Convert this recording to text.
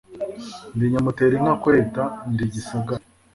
Ndi nyamutera inka kureta. Ndi igisagara